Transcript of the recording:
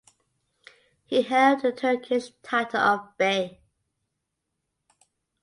He held the Turkish title of "Bey".